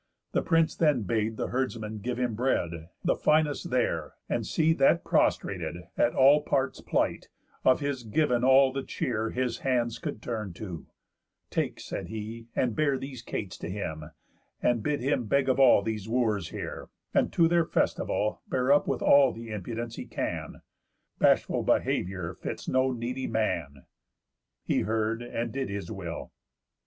The prince then bade the herdsman give him bread, The finest there, and see that prostrated At all parts plight of his giv'n all the cheer His hands could turn to: "Take," said he, "and bear These cates to him, and bid him beg of all These Wooers here, and to their festival Bear up with all the impudence he can; Bashful behaviour fits no needy man." He heard, and did his will.